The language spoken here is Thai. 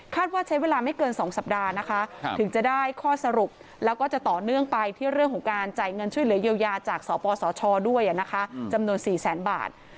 ว่าใช้เวลาไม่เกิน๒สัปดาห์นะคะถึงจะได้ข้อสรุปแล้วก็จะต่อเนื่องไปที่เรื่องของการจ่ายเงินช่วยเหลือเยียวยาจากสปสชด้วยนะคะจำนวน๔แสนบาท